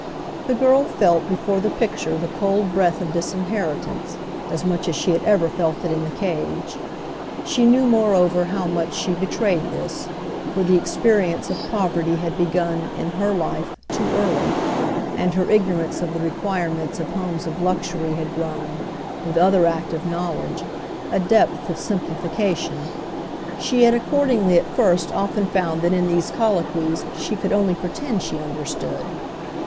The girl felt before the picture the cold breath of disinheritance as much as she had ever felt it in the cage; she knew moreover how much she betrayed this, for the experience of poverty had begun, in her life, too early, and her ignorance of the requirements of homes of luxury had grown, with other active knowledge, a depth of simplification. She had accordingly at first often found that in these colloquies she could only pretend she understood.